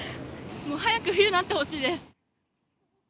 もう早く冬になってほしいです。